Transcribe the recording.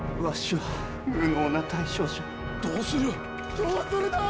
どうするだぁ。